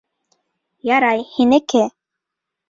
Ярай, һинеке.